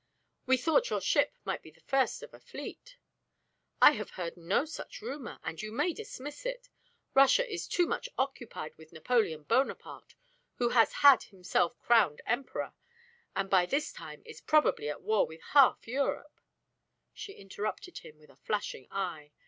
We thought your ship might be the first of a fleet." "I have heard no such rumor, and you may dismiss it. Russia is too much occupied with Napoleon Bonaparte, who has had himself crowned Emperor, and by this time is probably at war with half Europe " She interrupted him with flashing eye.